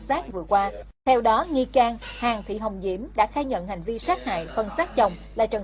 xin chào và hẹn gặp lại